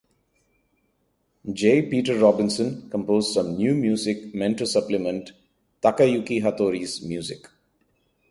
J. Peter Robinson composed some new music meant to supplement Takayuki Hattori's music.